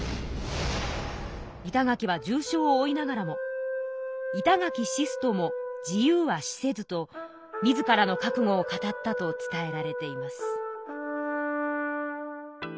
板垣は重傷を負いながらも「板垣死すとも自由は死せず」と自らの覚悟を語ったと伝えられています。